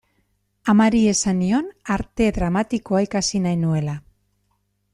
Amari esan nion Arte Dramatikoa ikasi nahi nuela.